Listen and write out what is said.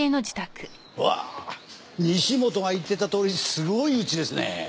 うわ西本が言ってたとおりすごいうちですねえ。